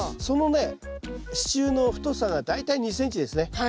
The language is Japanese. そのね支柱の太さが大体２ｃｍですね。